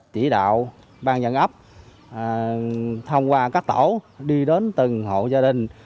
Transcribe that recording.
chỉ đạo bang dân ấp thông qua các tổ đi đến từng hộ gia đình